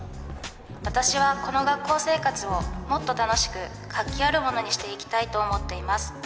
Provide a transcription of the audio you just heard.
私はこの学校生活をもっと楽しく活気あるものにしていきたいと思っています。